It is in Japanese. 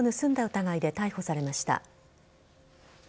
疑いで逮捕されました。